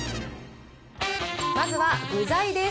まずは具材です。